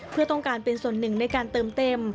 เพื่อต้องการเป็นส่วนหนึ่งในการเติมเต็ม